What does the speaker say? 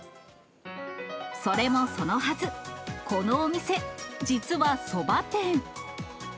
それもそのはず、このお店、実はそば店。